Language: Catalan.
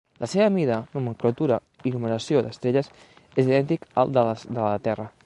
La seva mida, nomenclatura i numeració d'estrelles és idèntic al de les de la Terra.